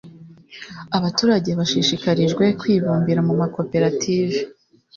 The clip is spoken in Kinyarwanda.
abaturage bashishikarijwe kwibumbira mu makoperative